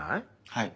はい。